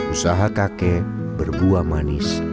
usaha kakek berbuah manis